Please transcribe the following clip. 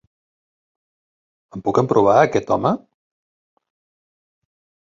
Em puc emprovar aquest home?